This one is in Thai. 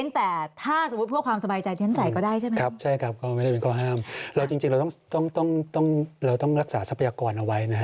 ถูกต้องครับใช่ไหมครับใช่ครับไม่ได้เป็นข้อห้ามเราจริงเราต้องรักษาทรัพยากรเอาไว้นะครับ